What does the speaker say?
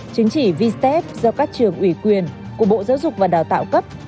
chứng chỉ vstep do các trường ủy quyền của bộ giáo dục và đào tạo cấp